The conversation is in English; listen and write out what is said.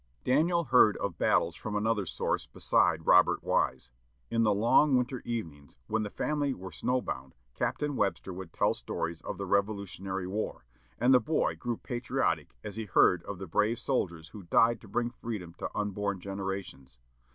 Daniel heard of battles from another source beside Robert Wise. In the long winter evenings, when the family were snow bound, Captain Webster would tell stories of the Revolutionary War, and the boy grew patriotic, as he heard of the brave soldiers who died to bring freedom to unborn generations.